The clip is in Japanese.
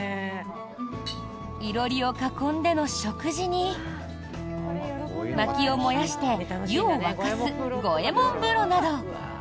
囲炉裏を囲んでの食事にまきを燃やして湯を沸かす五右衛門風呂など